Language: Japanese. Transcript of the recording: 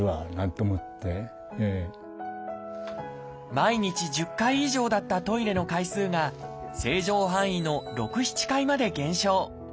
毎日１０回以上だったトイレの回数が正常範囲の６７回まで減少。